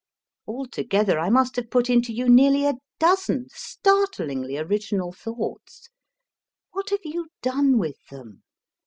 Altogether I must have put into you nearly a dozen startlingly original thoughts. \Vhat have you done with them